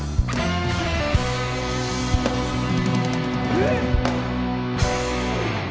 えっ！？